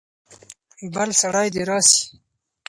بل سړی دې راسي.